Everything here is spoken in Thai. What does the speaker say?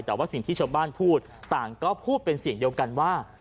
แต่ว่าสิ่งที่ชาวบ้านพูดต่างก็พูดเป็นเสียงเดียวกันว่า